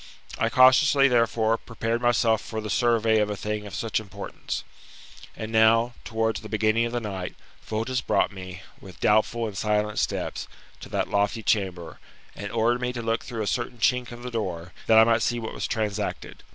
I cautiously, therefore, prepared myself for the survey of a thing of such importance. And now, towards the beginning of the night, Fotis brought me, with doubtful and silent steps, to that lofty chamber, and ordered me to look through a certain chink of the door, that I might see what was transacted.